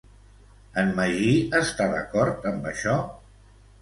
En Magí està d'acord amb això?